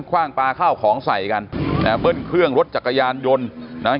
ว่างปลาข้าวของใส่กันอ่าเบิ้ลเครื่องรถจักรยานยนต์นะฮะ